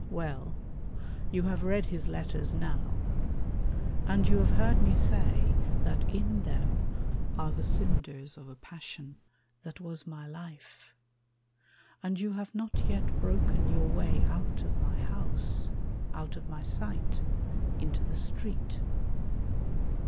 Well, you have read His letters now, and you have heard me say That in them are the cinders of a passion That was my life; and you have not yet broken Your way out of my house, out of my sight, Into the street.